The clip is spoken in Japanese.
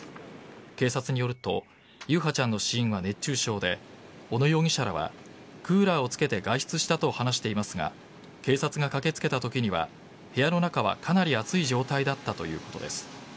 警察によると優陽ちゃんの死因は熱中症で小野容疑者らはクーラーをつけて外出したと話していますが警察が駆けつけたときには部屋の中はかなり暑い状態だったということです。